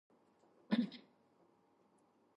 We have nowhere to move to.